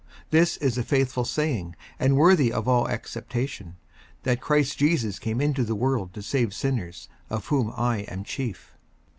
54:001:015 This is a faithful saying, and worthy of all acceptation, that Christ Jesus came into the world to save sinners; of whom I am chief.